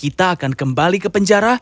kita akan kembali ke penjara